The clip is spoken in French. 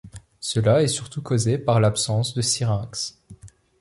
Cela est surtout causé par l'absence de syrinx.